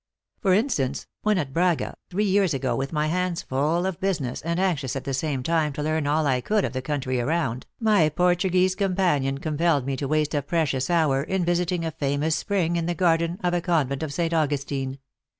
For instance, when at Braga, three years ago, with my hands full of business, and anxious at the same time to learn all I could of the country around, my Portuguese companion compelled me to waste a precious hour in visiting a famous spring in the garden of a convent of St. Augustine.